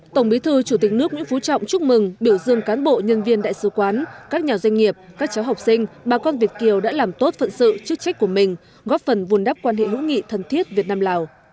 tổng bí thư chủ tịch nước nguyễn phú trọng chúc mừng biểu dương cán bộ nhân viên đại sứ quán các nhà doanh nghiệp các cháu học sinh bà con việt kiều đã làm tốt phận sự chức trách của mình góp phần vùn đắp quan hệ hữu nghị thân thiết việt nam lào